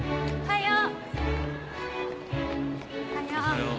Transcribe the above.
おはよう。